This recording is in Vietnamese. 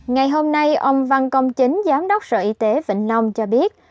ngày hôm nay ông văn công chính giám đốc sở y tế vĩnh long cho biết